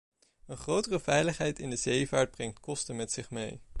Een grotere veiligheid in de zeevaart brengt kosten met zich mee.